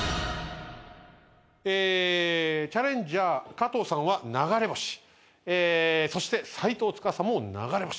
チャレンジャー加藤さんは「流れ星」そして斎藤司も「流れ星」